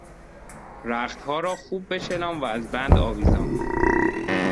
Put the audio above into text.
رختها را خوب بچلان و از بند آویزان کن!